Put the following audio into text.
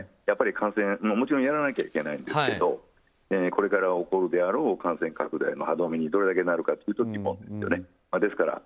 もちろんやらなきゃいけないんですけどこれから起こるであろう感染拡大の歯止めにどれだけなるかというと疑問ですよね。